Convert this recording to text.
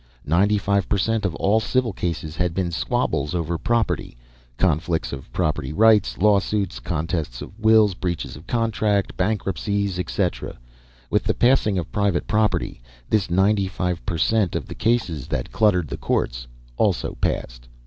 Ninety five per cent. of all civil cases had been squabbles over property, conflicts of property rights, lawsuits, contests of wills, breaches of contract, bankruptcies, etc. With the passing of private property, this ninety five per cent. of the cases that cluttered the courts also passed.